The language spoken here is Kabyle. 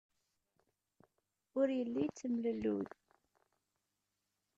Ur yelli yettemlelluy.